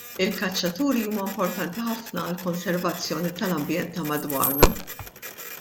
Il-kaċċaturi huma importanti ħafna għall-konservazzjoni tal-ambjent ta' madwarna.